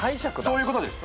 そういうことです。